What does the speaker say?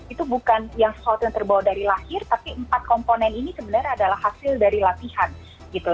itu bukan yang sesuatu yang terbawa dari lahir tapi empat komponen ini sebenarnya adalah hasil dari latihan gitu